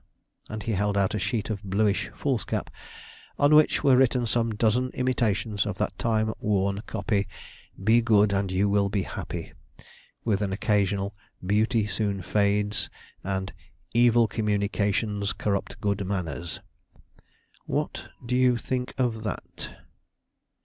And he held out a sheet of bluish foolscap, on which were written some dozen imitations of that time worn copy, "BE GOOD AND YOU WILL BE HAPPY"; with an occasional "Beauty soon fades," and "Evil communications corrupt good manners." "What do you think of that?"